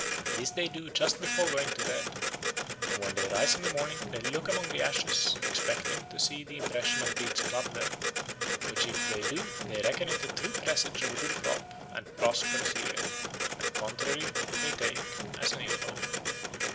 This they do just before going to bed, and when they rise in the morning they look among the ashes, expecting to see the impression of Briid's club there; which if they do, they reckon it a true presage of a good crop and prosperous year, and the contrary they take as an ill omen."